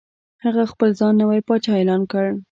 هغه خپل ځان نوی پاچا اعلان کړ.